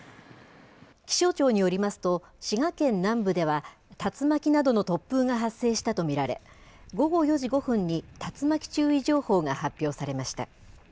気象庁によりますと、滋賀県南部では竜巻などの突風が発生したと見られ、午後４時５分に竜巻注意情報が発表されました。